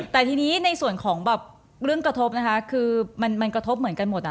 แต่ทีนี้ในส่วนของแบบเรื่องกระทบนะคะคือมันกระทบเหมือนกันหมด